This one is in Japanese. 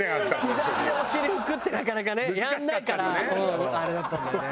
左でお尻拭くってなかなかねやらないからあれだったんだよね。